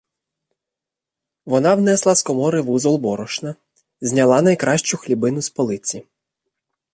Вона внесла з комори вузол борошна, зняла найкращу хлібину з полиці.